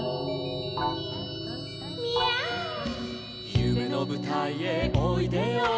「ゆめのぶたいへおいでよおいで」